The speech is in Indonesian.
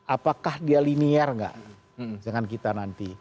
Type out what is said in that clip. apakah dia linear nggak dengan kita nanti